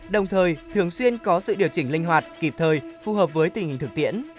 đồng thời thường xuyên có sự điều chỉnh linh hoạt kịp thời phù hợp với tình hình thực tiễn